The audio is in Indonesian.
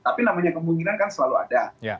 tapi namanya kemungkinan kan selalu ada